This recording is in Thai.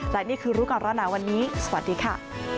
และนี่คือรู้ก่อนร้อนหนาวันนี้สวัสดีค่ะ